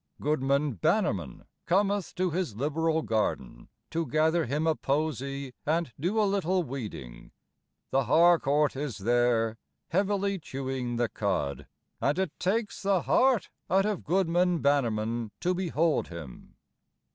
Goodman Bannerman cometh to his Liberal Garden To gather him a posy and do a little weeding; The Harcourt is there heavily chewing the cud, And it takes the heart out of goodman Bannerman To behold him.